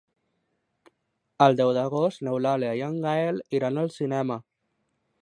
El deu d'agost n'Eulàlia i en Gaël iran al cinema.